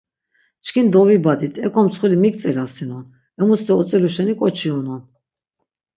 Çkin dovibadit, eƙo mtsxuli mik tzilasinon, emusti otzilu şeni k̆oçi unon.